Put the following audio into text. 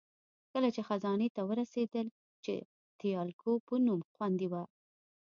کله چې خزانې ته ورسېدل، چې د تیالکو په نوم خوندي وه.